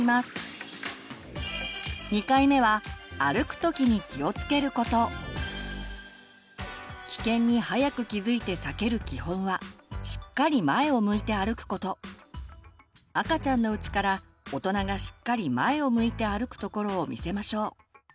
２回目は危険に早く気付いて避ける基本は赤ちゃんのうちから大人がしっかり前を向いて歩くところを見せましょう。